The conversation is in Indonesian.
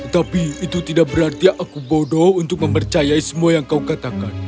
tapi itu tidak berarti aku bodoh untuk mempercayai semua yang kau katakan